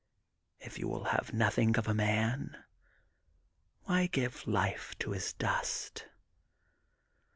If you will have nothing of a man, why give life to his dust